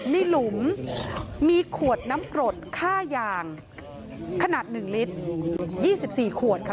นี่หลุมมีขวดน้ำกรดค่ายางขนาดหนึ่งลิตรยี่สิบสี่ขวดค่ะ